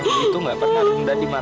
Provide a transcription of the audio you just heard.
kamu dengerin aku ya